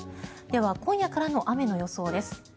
では、今夜からの雨の予想です。